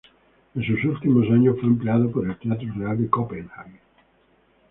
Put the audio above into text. En sus últimos años fue empleado por el Teatro Real de Copenhague.